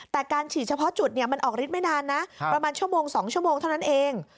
แต่การฉีดเฉพาะจุดมันออกฤทธิไม่นานนะประมาณชั่วโมง๒ชั่วโมงเท่านั้นเอง